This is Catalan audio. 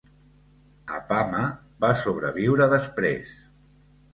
Apama va sobreviure després.